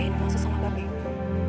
vinkan bae sama nyampe ga kena kok